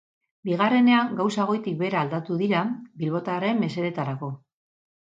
Bigarrenean gauzak goitik behera aldatu dira, bilbotarren mesederato.